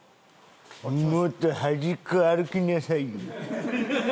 もっと端っこ歩きなさいよ。